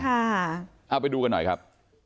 เอาไปดูกันหน่อยครับ